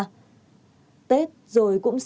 tết rồi cũng sẽ là một vụ đáng tiếc